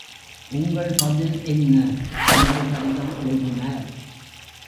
உங்கள் பதில் என்ன? என்று கடிதம் எழுதினார்.